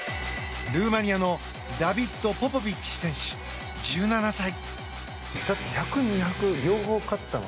ルーマニアのダビッド・ポポビッチ選手１７歳。